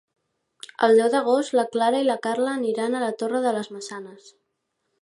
El deu d'agost na Clara i na Carla aniran a la Torre de les Maçanes.